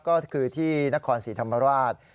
ก็คือที่นครศรีธรรมราช